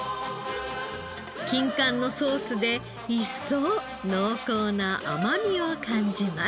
金柑のソースで一層濃厚な甘みを感じます。